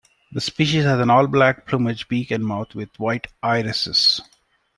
The species has an all-black plumage, beak and mouth with white irises.